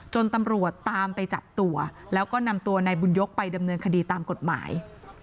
ตำรวจตามไปจับตัวแล้วก็นำตัวนายบุญยกไปดำเนินคดีตามกฎหมาย